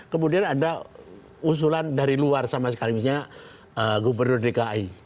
kemudian ada usulan dari luar sama sekali misalnya gubernur dki